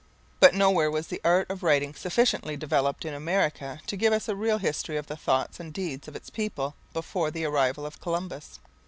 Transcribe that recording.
But nowhere was the art of writing sufficiently developed in America to give us a real history of the thoughts and deeds of its people before the arrival of Columbus.